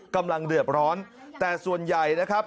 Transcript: กำลังเดือดร้อนแต่ส่วนใหญ่นะครับ